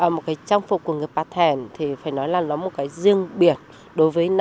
một cái trang phục của người bà thèn thì phải nói là nó là một cái trang phục của người bà thèn